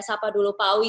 sapa dulu pak awi